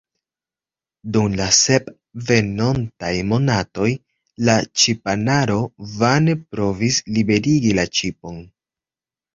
Dum la sep venontaj monatoj la ŝipanaro vane provis liberigi la ŝipon.